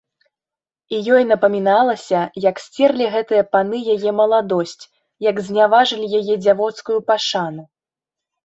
І ёй напаміналася, як сцерлі гэтыя паны яе маладосць, як зняважылі яе дзявоцкую пашану.